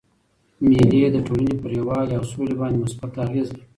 مېلې د ټولني پر یووالي او سولي باندي مثبت اغېز لري.